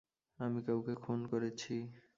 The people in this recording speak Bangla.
আমি কাউকে খুন করেছি।